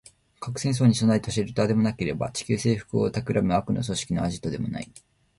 核戦争に備えたシェルターでもなければ、地球制服を企む悪の組織のアジトでもない